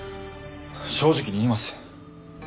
正直に言います。